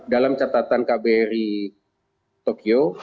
dalam catatan kbrh tokyo